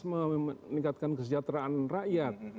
meningkatkan kesejahteraan rakyat